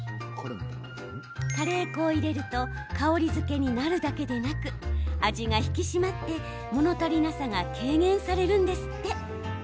カレー粉を入れると香りづけになるだけでなく味が引き締まってもの足りなさが軽減されるんですって。